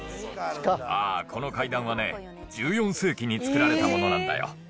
ああ、この階段はね、１４世紀に作られたものなんだよ。